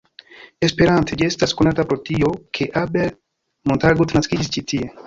Esperante, ĝi estas konata pro tio, ke Abel Montagut naskiĝis ĉi tie.